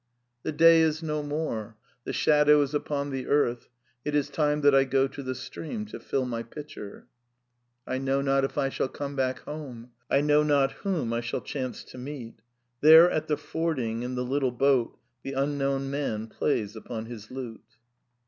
"The day is no more, the shadow is upon the earth. It is time that I go to the stream to fill my pitcher. " I know not if I shall come back home. I know not whom I shall chance to meet. There at the fording in the little boat the unknown man plays upon his lute."